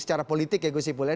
secara politik ya gus ipul ya